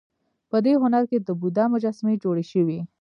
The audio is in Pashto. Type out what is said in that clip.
په دې هنر کې د بودا مجسمې جوړې شوې